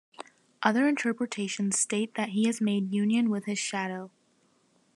Other interpretations state that he has made union with his shadow.